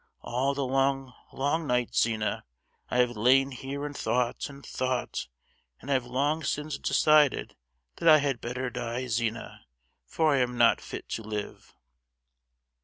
"All the long, long nights, Zina, I have lain here and thought, and thought; and I have long since decided that I had better die, Zina; for I am not fit to live!"